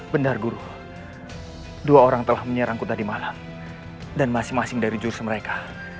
benar guru dua orang telah menyerangku tadi malam dan masing masing dari jurus mereka